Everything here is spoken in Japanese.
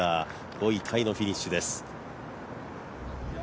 ５位タイのフィニッシュです。